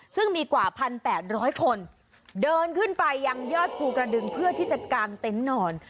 ซึ่งมีกว่า๑๘๐๐คนเดินขึ้นไปยังยอดภูกระดึงเพื่อที่จะกางเต็นต์นอน